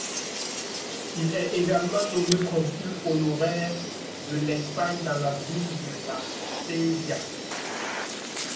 Il est également nommé consul honoraire de l'Espagne dans la ville de La Spezia.